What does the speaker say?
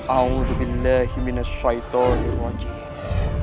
audhu billahi minash shaitanir rajeem